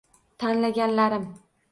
Tanlaganlarim